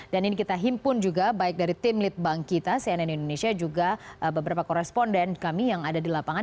dan ini kita himpun juga baik dari tim lead bank kita cnn indonesia juga beberapa koresponden kami yang ada di lapangan